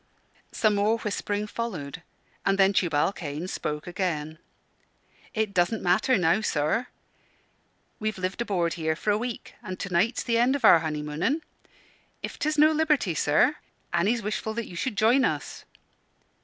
_" Some more whispering followed, and then Tubal Cain spoke again "It doesn't matter now, sir. We've lived aboard here for a week, and to night's the end of our honeymooning. If 'tis no liberty sir, Annie's wishful that you should join us."